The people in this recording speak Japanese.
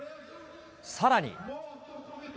さらに。